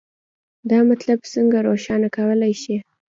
دا مطلب څنګه روښانه کولی شئ؟